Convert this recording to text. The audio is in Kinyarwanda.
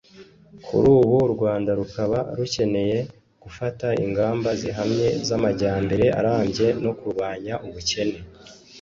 kuri ubu u rwanda rukaba rukeneye gufata ingamba zihamye z'amajyambere arambye no kurwanya ubukene